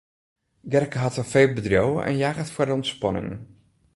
Gerke hat in feebedriuw en jaget foar de ûntspanning.